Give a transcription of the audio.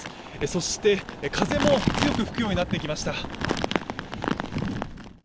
そして、風も強く吹くようになってきました。